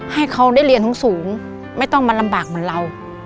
ให้เขาได้เรียนสูงไม่ต้องมาลำบากเหมือนเรา